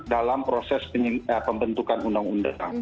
dalam proses pembentukan undang undang